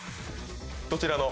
どちらの？